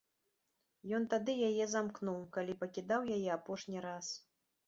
Ён тады яе замкнуў, калі пакідаў яе апошні раз.